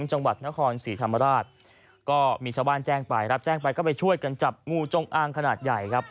จังหวัดนครศรีธรรมราชก็มีชาวบ้านแจ้งไปรับแจ้งไปก็ไปช่วยกันจับงูจงอางขนาดใหญ่ครับ